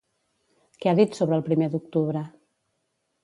Què ha dit sobre el primer d'octubre?